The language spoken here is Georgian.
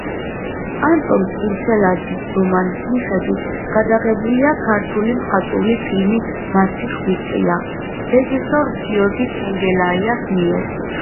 ანტონ ფურცელაძის რომანის მიხედვით გადაღებულია ქართული მხატვრული ფილმი „მაცი ხვიტია“ რეჟისორ გიორგი შენგელაიას მიერ.